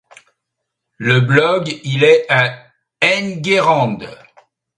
le blog il est à Enguerrand.